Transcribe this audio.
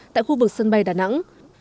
tại khu vực sân bay đà nẵng